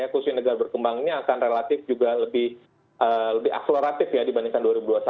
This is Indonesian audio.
khususnya negara berkembang ini akan relatif juga lebih akseleratif ya dibandingkan dua ribu dua puluh satu